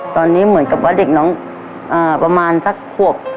ตอนนี้เหมือนกับว่าเด็กน้องประมาณสักขวบ